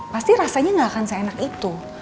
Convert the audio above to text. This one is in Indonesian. pasti rasanya gak akan seenak itu